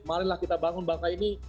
marilah kita bangun bangsa ini